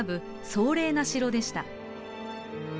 壮麗な城でした。